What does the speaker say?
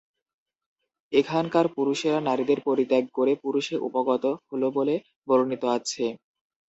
এখানকার পুরুষেরা নারীদের পরিত্যাগ করে পুরুষে উপগত হলো বলে বর্ণিত আছে।